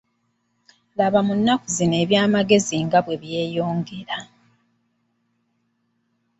Laba mu nnaku zino eby'amagezi nga bwe byeyongera.